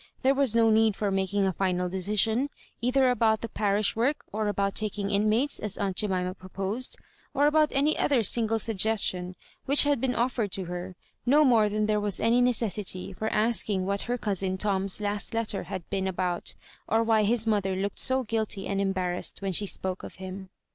There was no need for making a final decision, either about the parish work, or about taking Inmates, as aont Jemima proposed, or about any other sin^e suggestion which had been offered to her ; no more than there was any necessity for asking what her cousin Tom's last letter had been about, or why his mother looked so guilty and embarrassed when she spoke of him.